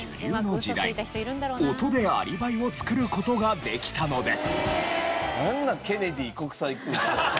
音でアリバイを作る事ができたのです。